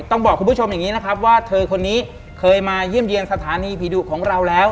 ต้องบอกคุณผู้ชมอย่างนี้นะครับว่าเธอคนนี้เคยมาเยี่ยมเยี่ยมสถานีผีดุของเราแล้ว